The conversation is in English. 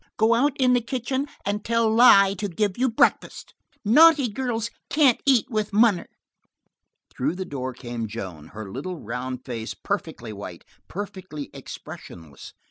"Go out in the kitchen and tell Li to give you breakfast. Naughty girls can't eat with munner." Through the door came Joan, her little round face perfectly white, perfectly expressionless.